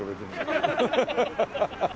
ハハハハ！